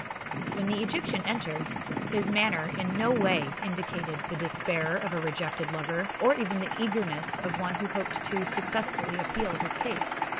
When the Egyptian entered, his manner in no way indicated the despair of a rejected lover, or even the eagerness of one who hoped to successfully appeal his case.